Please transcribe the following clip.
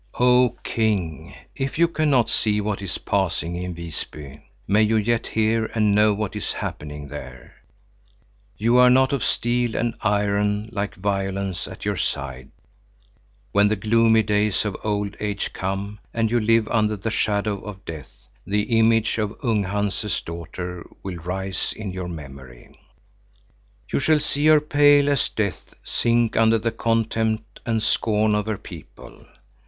Oh king, if you cannot see what is passing in Visby, may you yet hear and know what is happening there. You are not of steel and iron, like Violence at your side. When the gloomy days of old age come, and you live under the shadow of death, the image of Ung Hanse's daughter will rise in your memory. You shall see her pale as death sink under the contempt and scorn of her people.